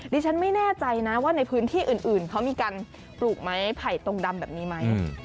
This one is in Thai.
ดิฉันไม่แน่ใจนะว่าในพื้นที่อื่นเขามีการปลูกไม้ไผ่ตรงดำแบบนี้ไหม